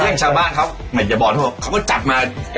เฉลี่ยชาวบ้านครับเหมือนอย่าบอกทุกคนเขาก็จับมากันเอง